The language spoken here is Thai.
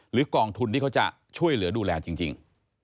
กองทุนที่เขาจะช่วยเหลือดูแลจริง